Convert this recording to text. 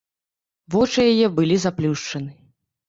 Вочы яе былі заплюшчаны.